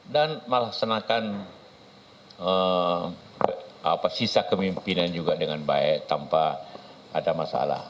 dan melaksanakan sisa kemimpinan juga dengan baik tanpa ada masalah